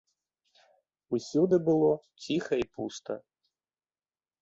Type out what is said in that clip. Усюды было ціха і пуста.